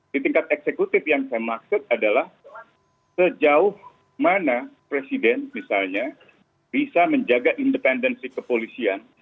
di tingkat eksekutif yang saya maksud adalah sejauh mana presiden misalnya bisa menjaga independensi kepolisian